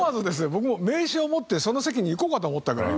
僕も名刺を持ってその席に行こうかと思ったぐらい。